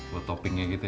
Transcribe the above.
buat toppingnya gitu ya